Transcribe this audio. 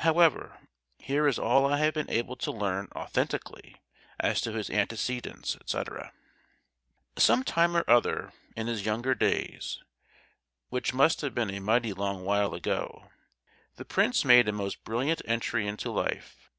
However, here is all I have been able to learn authentically as to his antecedents, etc.:— Some time or other, in his younger days—which must have been a mighty long while ago,—the prince made a most brilliant entry into life.